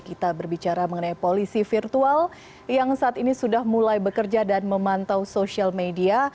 kita berbicara mengenai polisi virtual yang saat ini sudah mulai bekerja dan memantau sosial media